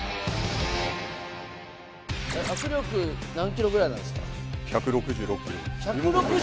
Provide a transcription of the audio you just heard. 握力何キロぐらいなんですか？